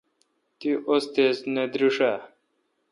تی ؤستیذ نہ دریݭ آ؟